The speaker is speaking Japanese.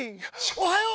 おはよう！